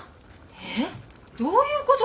えっ？どういうことで！？